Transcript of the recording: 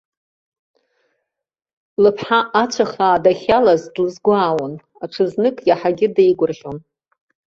Лыԥҳа ацәа хаа дахьалаз длызгәаауан, аҽазных иаҳагьы деигәырӷьон.